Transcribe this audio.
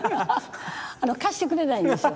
貸してくれないんですよ。